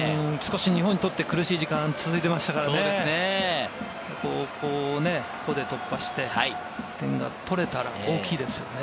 日本にとって苦しい時間が続いていましたからね、ここで突破して１点が取れたら大きいですね。